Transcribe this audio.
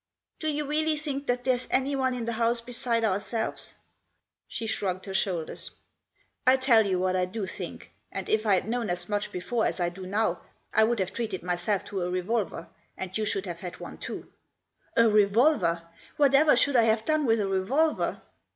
"Do you really think that there's anyone in the house beside ourselves ?" She shrugged her shoulders. " I tell you what I do think, that if I'd known as much before as I do now, I'd have treated myself to a revolver, and you should have had one too." " A revolver ! Whatever should I have done with a revolver